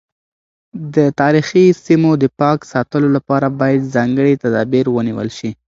د تاریخي سیمو د پاک ساتلو لپاره باید ځانګړي تدابیر ونیول شي.